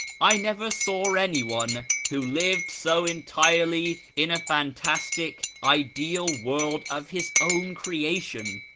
I never saw anyone who lived so entirely in a fantastic ideal world of his own creation.